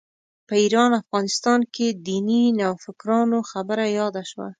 په ایران افغانستان کې دیني نوفکرانو خبره یاده شوه.